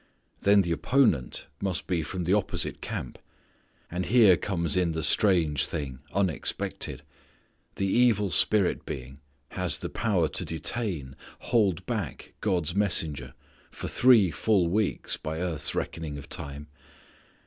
Then the opponent must be from the opposite camp. And here comes in the thing strange, unexpected, the evil spirit being has the power to detain, hold back God's messenger for three full weeks by earth's reckoning of time.